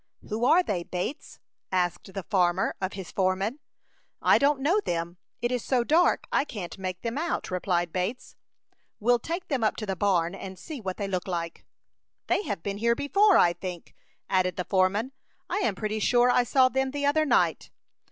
"Who are they, Bates?" asked the farmer of his foreman. "I don't know them; it is so dark I can't make them out," replied Bates. "We'll take them up to the barn, and see what they look like." "They have been here before, I think," added the foreman. "I am pretty sure I saw them the other night."